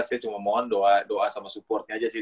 saya cuma mohon doa sama supportnya aja sih